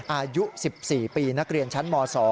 อายุ๑๔ปีนักเรียนชั้นม๒